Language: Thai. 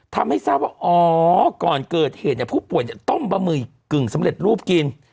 ทำให้ทราบว่าอ๋อก่อนเกิดเหตุผู้ป่วยต้มบะหมี่กึ่งสำเร็จรูปกิน